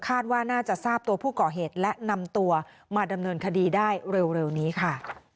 ว่าน่าจะทราบตัวผู้ก่อเหตุและนำตัวมาดำเนินคดีได้เร็วนี้ค่ะ